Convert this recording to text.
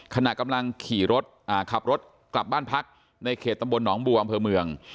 ขณะกำลังขี่รถขับรถกลับบ้านพักในเขตตำบลหนองบัวอำเภอเมือง